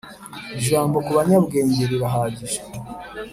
ijambo kubanyabwenge rirahagije